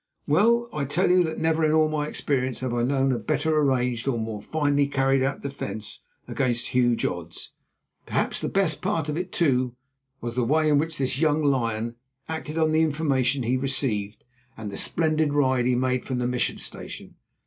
Well, I tell you that never in all my experience have I known a better arranged or a more finely carried out defence against huge odds. Perhaps the best part of it, too, was the way in which this young lion acted on the information he received and the splendid ride he made from the Mission Station.